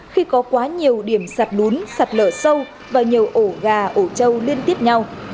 khi có quá nhiều điểm sạt lún sạt lở sâu và nhiều ổ gà ổ trâu liên tiếp nhau